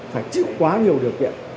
phải chịu quá nhiều điều kiện